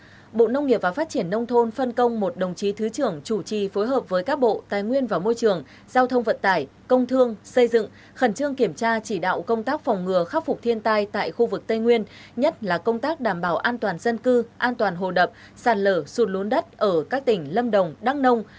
chủ tịch ubnd tỉnh chịu trách nhiệm trước thủ tướng chính phủ đề bàn giao thông vận tải công thương xây dựng khẩn trương kiểm tra chỉ đạo công tác phòng ngừa khắc phục thiên tai tại khu vực tây nguyên nhất là công tác đảm bảo an toàn dân cư an toàn hồ đập sạt lở sụt lún đất ở các tỉnh lâm đồng đăng nông